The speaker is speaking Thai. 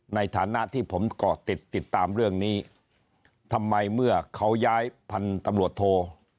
ในฐานะที่ผมก่อติดติดตามเรื่องนี้ทำไมเมื่อเขาย้ายพันธุ์ตำรวจโท